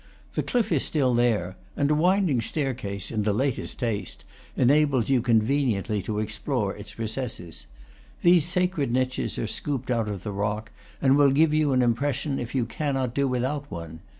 The cliff is still there; and a winding staircase, in the latest taste, en ables you conveniently to explore its recesses. These sacred niches are scooped out of the rock, and will give you an impression if you cannot do without one.